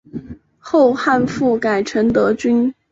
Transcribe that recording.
后汉复改成德军。